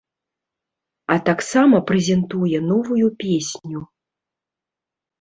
А таксама прэзентуе новую песню.